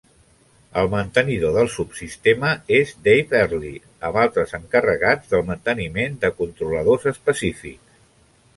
El mantenidor del subsistema és Dave Airlie, amb altres encarregats del manteniment de controladors específics.